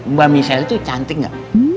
mbak misel itu cantik gak